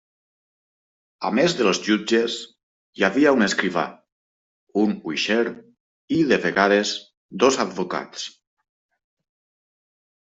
A més dels jutges hi havia un escrivà, un uixer i, de vegades, dos advocats.